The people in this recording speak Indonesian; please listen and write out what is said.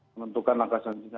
menentukan langkah selanjutnya